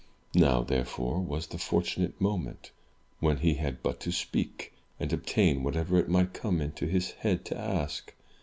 Now, therefore, was the fortu nate moment, when he had but to speak, and obtain whatever it might come into his head to ask.